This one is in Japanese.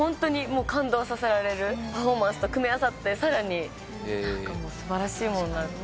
パフォーマンスと組み合わさってさらに素晴らしいものになる。